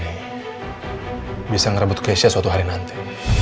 saya bisa merebut keisha suatu hari nanti